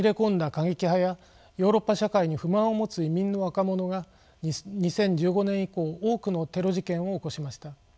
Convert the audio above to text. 過激派やヨーロッパ社会に不満を持つ移民の若者が２０１５年以降多くのテロ事件を起こしました。